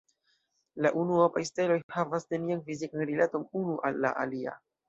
La unuopaj steloj havas nenian fizikan rilaton unu al la alia.